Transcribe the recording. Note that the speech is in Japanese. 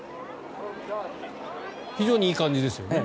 非常にいい感じですよね。